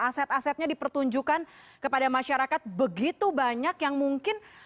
aset asetnya dipertunjukkan kepada masyarakat begitu banyak yang mungkin